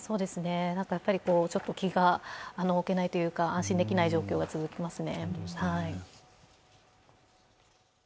ちょっと気が置けないというか、安心できない状況が続きますね。